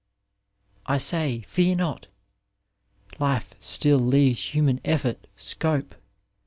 I say : Fear not 1 life still Leaves human effort scope.